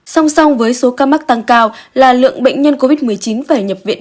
song song với số ca mắc tăng cao là lượng bệnh nhân covid một mươi chín phải nhập viện